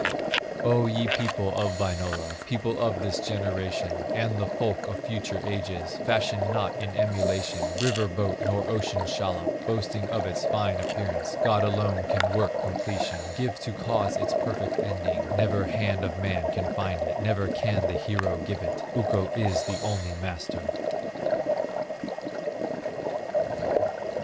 O, ye people of Wainola, People of this generation, And the folk of future ages, Fashion not in emulation, River boat, nor ocean shallop, Boasting of its fine appearance; God alone can work completion, Give to cause its perfect ending, Never hand of man can find it, Never can the hero give it, Ukko is the only Master."